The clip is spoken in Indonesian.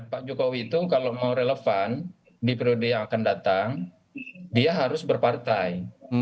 pak jokowi itu kalau mau relevan di periode yang akan datang dia harus berpartai